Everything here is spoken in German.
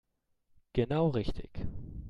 Genau richtig.